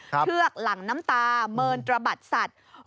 เชือกหลังน้ำตาเมินตระบัดสัตว์